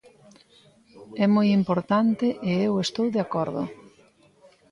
É moi importante e eu estou de acordo.